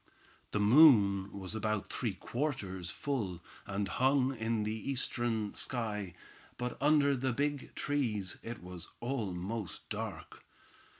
The moon was about three quarters full, and hung in the eastern sky; but under the big trees it was almost dark.